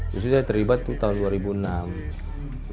misalnya saya terlibat tuh tahun dua ribu enam